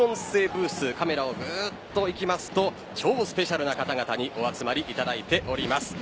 ブースカメラをぐっと行きますと超スペシャルな方々にお集まりいただいております。